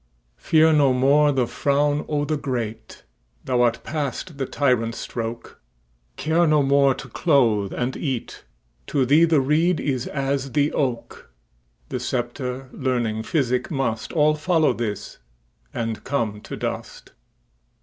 Fear no more the frown o' the great, Thou art past the tyrant's stroke; Care no more to clothe and eat; To thee the reed is as the oak:The sceptre, learning, physic, mustAll follow this, and come to dust.